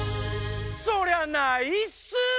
そりゃないっすー！